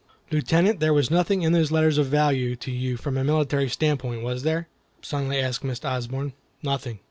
"Lieutenant, there was nothing in those letters of value to you from a military standpoint, was there?" suddenly asked Miss Osborne. "Nothing."